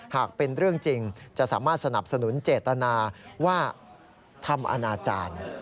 หากเป็นเรื่องจริงจะสามารถสนับสนุนเจตนาว่าทำอนาจารย์